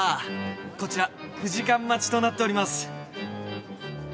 こちら９時間待ちとなっております。